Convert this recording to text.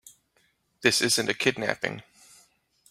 This isn't a kidnapping.